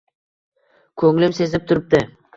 Ko‘nglim sezib turibdi.